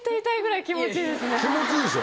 気持ちいいでしょ？